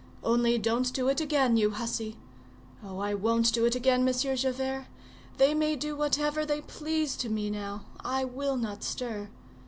'Only, don't do it again, you hussy!' Oh! I won't do it again, Monsieur Javert! They may do whatever they please to me now; I will not stir.